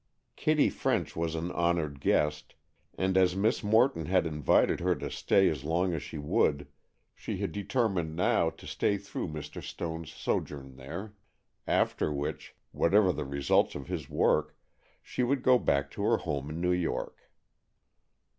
Kitty French was an honored guest, and as Miss Morton had invited her to stay as long as she would, she had determined now to stay through Mr. Stone's sojourn there, after which, whatever the results of his work, she would go back to her home in New York.